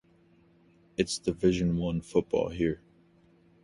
It's Division One football here.